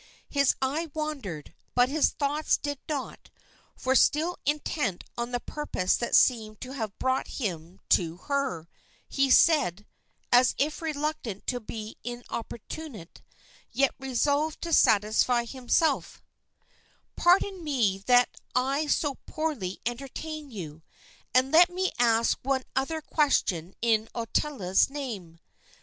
His eye wandered, but his thoughts did not; for still intent on the purpose that seemed to have brought him to her, he said, as if reluctant to be importunate, yet resolved to satisfy himself "Pardon me that I so poorly entertain you, and let me ask one other question in Ottila's name.